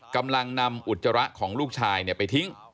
กำลังนำอุจจาระของลูกชายไปทิ้ง